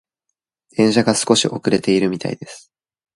電車が少し遅れているみたいです。